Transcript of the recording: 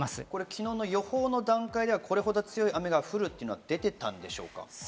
昨日の予報の段階ではこれほど強い雨が降るというのは出ていたんでしょうか？